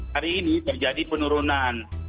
hari ini terjadi penurunan